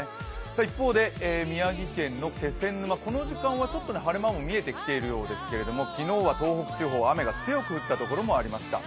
一方で宮城県の気仙沼、この時間ちょっと晴れ間も見えてきているようですけれども、昨日は東北地方、雨が強く降った所もありました。